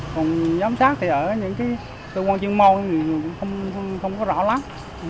còn giám sát thì ở những cái tư quan chuyên môn không có rõ lắm